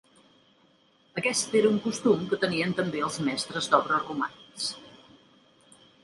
Aquesta era un costum que tenien també els mestres d'obres romànics.